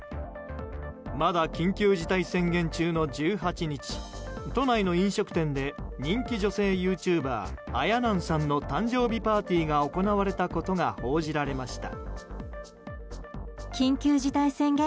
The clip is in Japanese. まだ緊急事態宣言中の１８日都内の飲食店で人気女性ユーチューバーあやなんさんの誕生日パーティーが行われたことが報じられました。